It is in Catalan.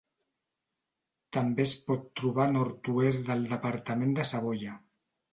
També es pot trobar a nord-oest del departament de Savoia.